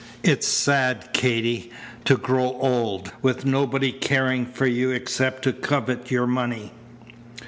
"It's sad, Katy, to grow old with nobody caring for you except to covet your money."